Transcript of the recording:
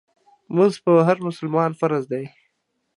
مونځ په هر مسلمان فرض دی